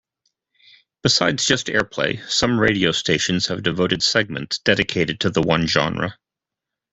Besides just airplay, some radio stations have devoted segments dedicated to the one genre.